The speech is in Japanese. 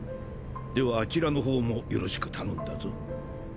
ではあちらのほうもよろしく頼んだぞ。